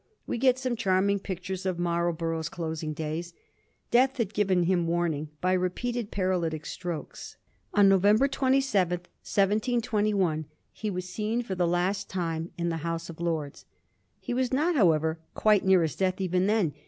We get some charming pictures of Marlborough's closing days. Death had given him warning by repeated paralytic strokes. On November 27, 1721, he was seen for the last time in the House of Lords. He was not, however, quite near his death even then.